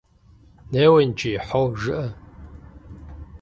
Неуэ иджы, «хьо» жыӀэ.